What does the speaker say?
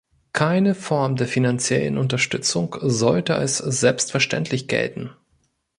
Keine Form der finanziellen Unterstützung sollte als selbstverständlich gelten.